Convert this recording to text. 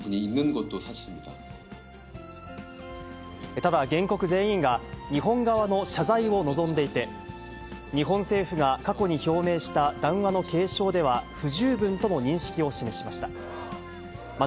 ただ、原告全員が日本側の謝罪を望んでいて、日本政府が過去に表明した談話の継承では不十分とも認識を示しました。